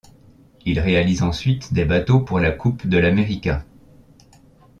Il réalise ensuite des bateaux pour la Coupe de l'America.